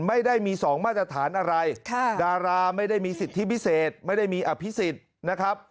ไม่ได้มีสองมาตรฐานอะไรดาราไม่ได้มีสิทธิพิเศษไม่ได้มีอภิษฎนะครับ